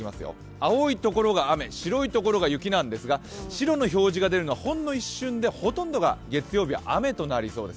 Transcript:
青いところが雨、白いところが雪なんですが白の表示が出るのは、ほんの一瞬でほとんどが月曜日は雨となりそうです。